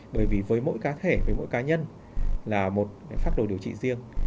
bởi vì với mỗi cá thể với mỗi cá nhân là một phác đồ điều trị riêng